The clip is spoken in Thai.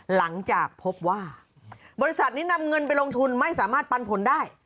หลังจากพบว่าบริษัทนี้นำเงินไปลงทุนไม่สามารถปันผลได้